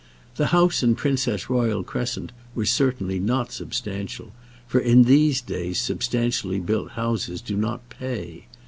The house in Princess Royal Crescent was certainly not substantial, for in these days substantially built houses do not pay.